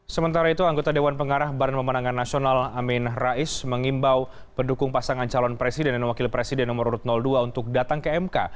sementara itu anggota dewan pengarah badan pemenangan nasional amin rais mengimbau pendukung pasangan calon presiden dan wakil presiden nomor urut dua untuk datang ke mk